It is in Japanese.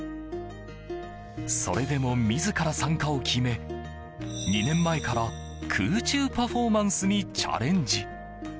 それでも自ら参加を決め２年前から空中パフォーマンスにチャレンジ。